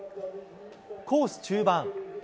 コース中盤。